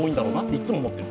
いつも思ってる。